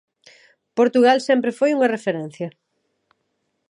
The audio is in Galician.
Portugal sempre foi unha referencia.